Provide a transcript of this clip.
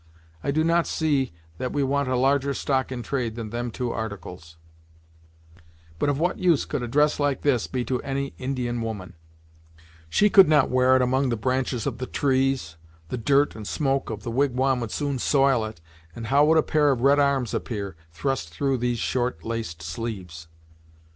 I do not see that we want a larger stock in trade than them two articles." "To you it may seem so, Deerslayer," returned the disappointed girl, "but of what use could a dress like this be to any Indian woman? She could not wear it among the branches of the trees, the dirt and smoke of the wigwam would soon soil it, and how would a pair of red arms appear, thrust through these short, laced sleeves!"